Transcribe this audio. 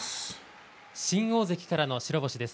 新大関からの白星です。